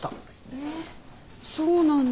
えっそうなんだ。